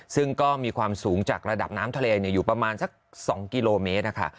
ซึ่งก็มีความสูงจากระดับน้ำทะเลอยู่ประมาณสัก๒กิโลเมตรนะคะ